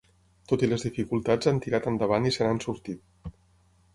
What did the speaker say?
Tot i les dificultats han tirat endavant i se n'han sortit.